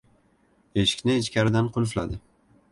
Eshikni ichkaridan qulfladi.